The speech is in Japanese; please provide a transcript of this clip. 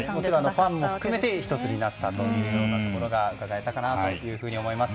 ファンも含めて１つになったというところがうかがえたかなと思います。